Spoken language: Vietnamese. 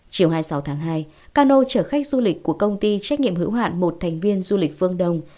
chiều hai mươi sáu tháng hai cano chở khách du lịch của công ty trách nhiệm hữu hạn một thành viên du lịch phương đông